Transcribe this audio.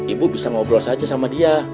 ibu bisa ngobrol saja sama dia